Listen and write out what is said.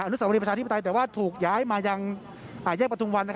อนุสาวริประชาธิปไตรแต่ว่าถูกย้ายมาอย่างยกปรารถุงวัน